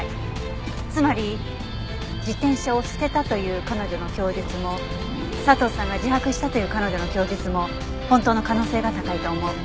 つまり自転車を捨てたという彼女の供述も佐藤さんが自白したという彼女の供述も本当の可能性が高いと思う。